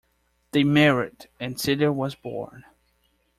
They married, and Celia was born.